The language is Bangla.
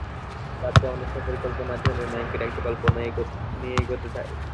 তাঁর যেমন একটা পরিকল্পনা আছে, অধিনায়কেরও একটা পরিকল্পনা নিয়ে এগোতে হয়।